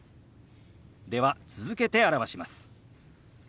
では続けて表します。